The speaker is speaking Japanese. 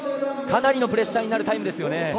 かなりのプレッシャーになるタイムですよね。